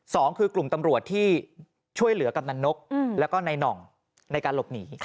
สองคือกลุ่มตำรวจที่ช่วยเหลือกำนันนกแล้วก็ในหน่องในการหลบหนี